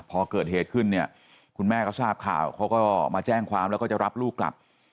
พอเกิดเหตุขึ้นเนี่ยคุณแม่ก็ทราบข่าวเขาก็มาแจ้งความแล้วก็จะรับลูกกลับ